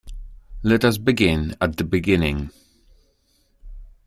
Let us begin at the beginning